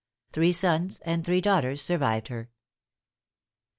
Three sons and three daughters survived her.